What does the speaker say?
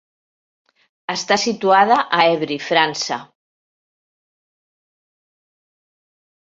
Està situada a Évry, França.